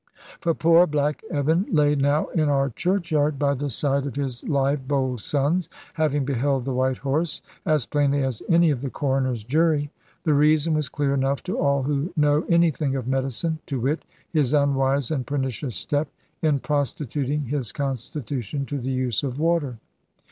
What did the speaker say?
For poor Black Evan lay now in our churchyard by the side of his live bold sons, having beheld the white horse as plainly as any of the Coroner's jury. The reason was clear enough to all who know anything of medicine, to wit, his unwise and pernicious step in prostituting his constitution to the use of water.